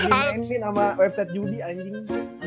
ngin ngin sama website judi anjing